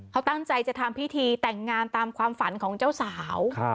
เขาตั้งใจจะทำพิธีแต่งงานตามความฝันของเจ้าสาว